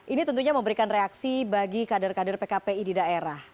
ini tentunya memberikan reaksi bagi kader kader pkpi di daerah